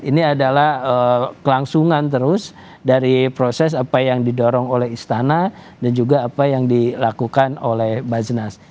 ini adalah kelangsungan terus dari proses apa yang didorong oleh istana dan juga apa yang dilakukan oleh basnas